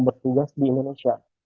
bertugas di indonesia